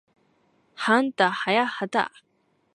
はあんたはやはた